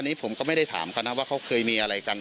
อันนี้ผมก็ไม่ได้ถามเขานะว่าเขาเคยมีอะไรกัน